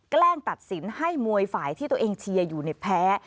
แกล้งตัดสินให้มวยฝ่ายที่ตัวเองเชียร์อยู่ในแพ้